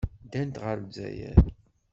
Ddant ɣer Lezzayer.